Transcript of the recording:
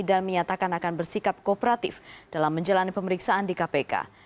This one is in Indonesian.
dan menyatakan akan bersikap kooperatif dalam menjalani pemeriksaan di kpk